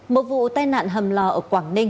một vụ tai nạn hầm lò ở quảng ninh